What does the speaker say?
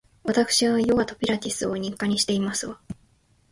わたくしはヨガとピラティスを日課にしていますわ